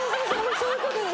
そういうことです。